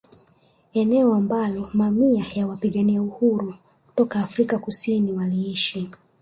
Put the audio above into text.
Eneo ambalo mamia ya wapigania uhuru toka Afrika Kusini waliishi